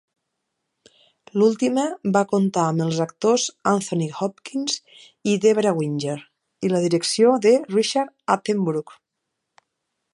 L"última va comptar amb els actors Anthony Hopkins i Debra Winger i la direcció de Richard Attenborough.